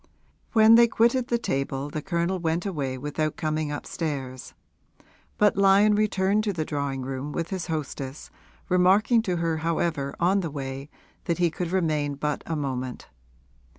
When they quitted the table the Colonel went away without coming upstairs; but Lyon returned to the drawing room with his hostess, remarking to her however on the way that he could remain but a moment.